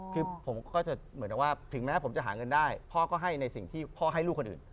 คือผมก็จะเหมือนกับว่าถึงแม้ผมจะหาเงินได้พ่อก็ให้ในสิ่งที่พ่อให้ลูกคนอื่น